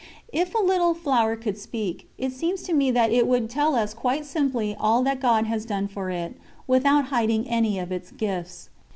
If a little flower could speak, it seems to me that it would tell us quite simply all that God has done for it, without hiding any of its gifts.